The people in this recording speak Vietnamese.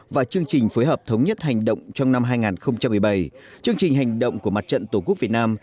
và chương trình phối hợp thống nhất hành động trong năm hai nghìn một mươi bảy chương trình hành động của mặt trận tổ quốc việt nam